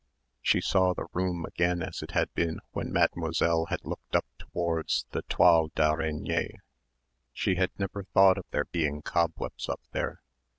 She saw the room again as it had been when Mademoiselle had looked up towards the toiles d'araignées. She had never thought of there being cobwebs up there.